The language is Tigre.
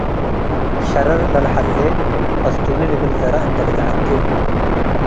ሸረር ለልሐዜ፡ “አስቱኒ”" ልብል ዘረ እንዴ ልትዐዴ።